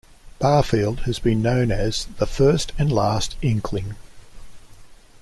Barfield has been known as "the first and last Inkling".